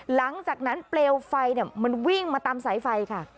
หลังจากนั้นเปลวไฟมันวิ่งมาตามสายไฟค่ะ